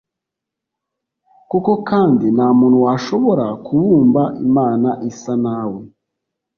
koko kandi, nta muntu washobora kubumba imana isa na we